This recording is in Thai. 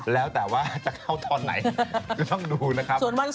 แล้วแต่ว่าจะเข้าตอนไหนก็ต้องดูนะครับ